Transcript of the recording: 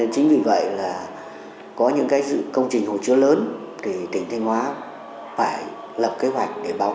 chính vì vậy là có những công trình hồ chứa lớn thì tỉnh thanh hóa phải lập kế hoạch để báo